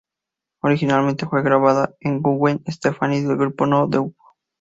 Originalmente fue grabada con Gwen Stefani del grupo No Doubt.